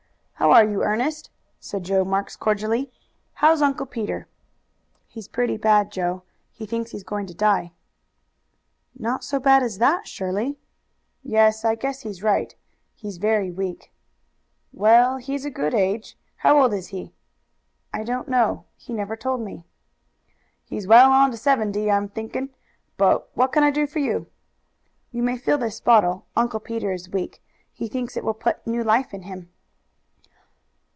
"How are you, Ernest?" said Joe Marks cordially. "How's Uncle Peter?" "He's pretty bad, Joe. He thinks he's going to die." "Not so bad as that, surely?" "Yes, I guess he's right. He's very weak." "Well, he's a good age. How old is he?" "I don't know. He never told me." "He's well on to seventy, I'm thinking. But what can I do for you?" "You may fill this bottle; Uncle Peter is weak, he thinks it will put new life in him."